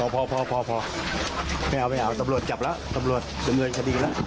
พอไม่เอาตำรวจกับละตำรวจกับสมัยชาติดีละ